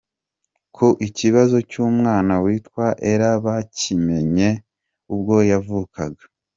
com ko ikibazo cy’umwana witwa Ella bakimenye ubwo yavukaga.